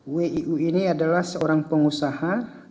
wiu ini adalah seorang pengusaha